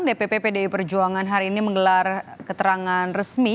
dpp pdi perjuangan hari ini menggelar keterangan resmi